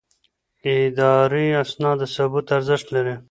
اداري اسناد د ثبوت ارزښت لري.